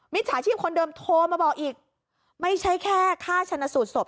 จฉาชีพคนเดิมโทรมาบอกอีกไม่ใช่แค่ค่าชนะสูตรศพ